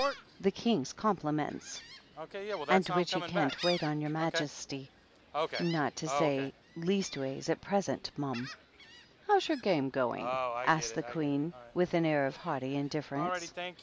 "The King's compliments, and wich he can*t wait on your majesty, not to say, leastways, at present, mum." " How's your game going ?" asked the Queen, with an air of haughty indifference.